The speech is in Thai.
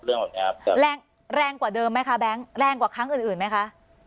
เรื่องแบบนี้ครับแรงแรงกว่าเดิมไหมคะแบงค์แรงกว่าครั้งอื่นอื่นไหมคะ